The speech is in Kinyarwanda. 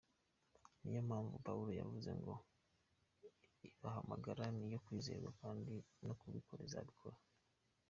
Niyo mpamvu Pawulo yavuze ngo “Ibahamagara ni iyo kwizerwa kandi no kubikora izabikora.